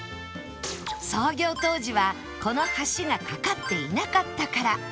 創業当時はこの橋が架かっていなかったから